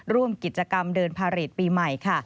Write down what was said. ร่วมกิจกรรมเดินพาเรทปีใหม่ค่ะ